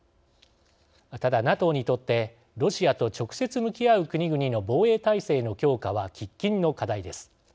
ただ、ＮＡＴＯにとってロシアと直接向き合う国々の防衛態勢の強化は喫緊の課題です。